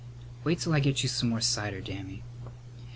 "Wait till I get you some more cider, Dammy."